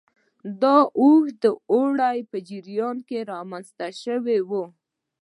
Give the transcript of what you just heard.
دا د اوږده اوړي په جریان کې رامنځته شوي وو